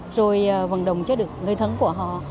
rồi vận động cho được người thân của họ